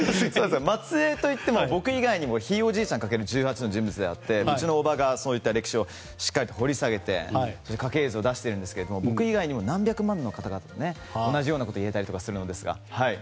末裔といっても僕以外にもひいおじいちゃんかける１８人でうちのおばがそういった歴史をしっかり掘り下げて家系図を出しているんですが僕以外にも何百万の方々が同じようなことを言えるんですが。